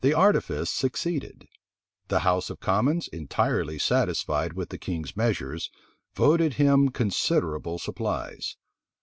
The artifice succeeded. The house of commons, entirely satisfied with the king's measures, voted him considerable supplies.